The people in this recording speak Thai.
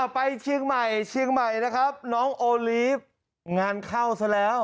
ไปเชียงใหม่เชียงใหม่นะครับน้องโอลีฟงานเข้าซะแล้ว